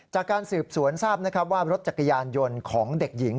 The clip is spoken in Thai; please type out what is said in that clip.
จากการสืบสวนทราบนะครับว่ารถจักรยานยนต์ของเด็กหญิง